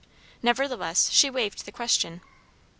Nevertheless she waived the question.